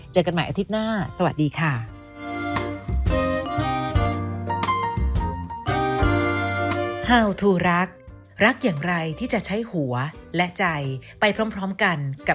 กันใหม่อาทิตย์หน้าสวัสดีค่ะ